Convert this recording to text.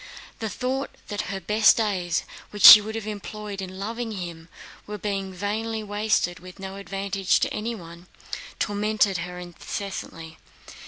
The thought that her best days, which she would have employed in loving him, were being vainly wasted, with no advantage to anyone, tormented her incessantly.